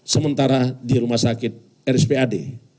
sementara di rumah sakit rspad